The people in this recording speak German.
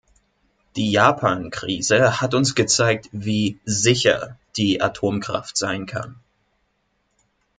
Die Japan-Krise hat uns gezeigt, wie "sicher" die Atomkraft sein kann.